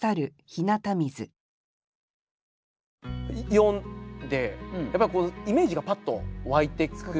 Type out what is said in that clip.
読んでやっぱりイメージがパッと湧いてくるなって。